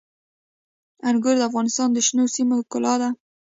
انګور د افغانستان د شنو سیمو ښکلا ده.